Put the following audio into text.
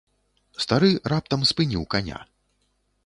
Стары раптам спыніў каня.